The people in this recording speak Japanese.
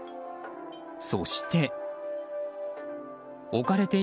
そして。